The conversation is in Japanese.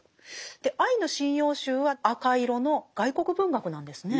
で「アイヌ神謡集」は赤色の外国文学なんですね。